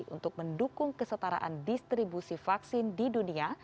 untuk mendukung kesetaraan distribusi vaksin di dunia